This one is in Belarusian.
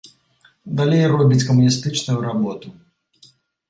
Далей робіць камуністычную работу.